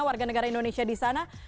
warga negara indonesia di sana